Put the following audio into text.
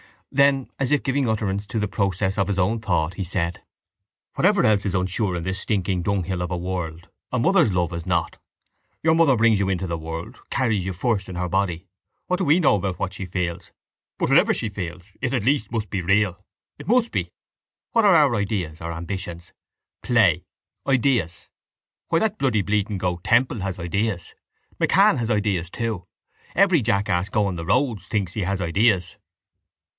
Then, as if giving utterance to the process of his own thought, he said: —Whatever else is unsure in this stinking dunghill of a world a mother's love is not. Your mother brings you into the world, carries you first in her body. What do we know about what she feels? But whatever she feels, it, at least, must be real. It must be. What are our ideas or ambitions? Play. Ideas! Why, that bloody bleating goat Temple has ideas. MacCann has ideas too. Every jackass going the roads thinks he has ideas.